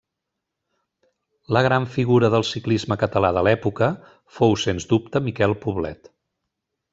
La gran figura del ciclisme català de l'època fou sens dubte Miquel Poblet.